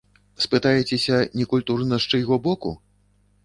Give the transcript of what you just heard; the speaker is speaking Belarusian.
Спытаецеся, некультурна з чыйго боку?